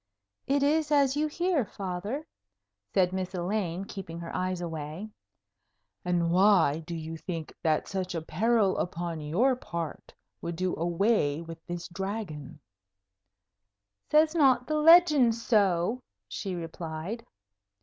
"It is as you hear, Father," said Miss Elaine, keeping her eyes away. "And why do you think that such a peril upon your part would do away with this Dragon?" "Says not the legend so?" she replied.